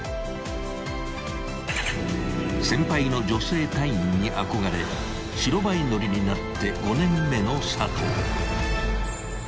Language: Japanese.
［先輩の女性隊員に憧れ白バイ乗りになって５年目の佐藤］